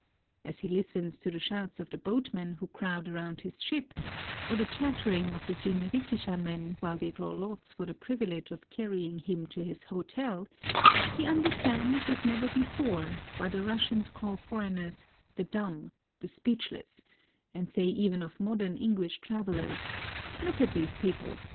As he listens to the shouts of the boatmen who crowd around his ship, or the chattering of the jinrikisha men while they draw lots for the privilege of carrying him to his hotel, he understands, as never before, why the Russians call foreigners "the dumb," "the speechless," and say even of modern English trav elers, "Look at these people!